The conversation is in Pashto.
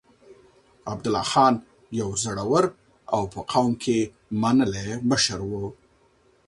عبدالله خان يو زړور او په قوم کې منلی مشر و.